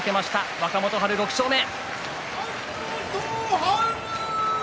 若元春、６勝目。